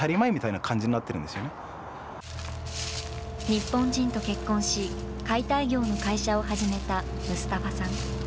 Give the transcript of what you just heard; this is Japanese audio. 日本人と結婚し、解体業の会社を始めたムスタファさん。